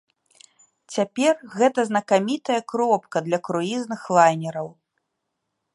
Цяпер гэта знакамітая кропка для круізных лайнераў.